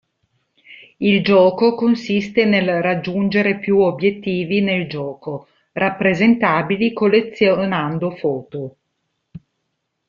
Il gioco consiste nel raggiungere più obiettivi nel gioco, rappresentabili collezionando foto.